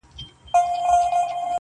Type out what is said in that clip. خړي وریځي پر اسمان باندي خپرې وې!.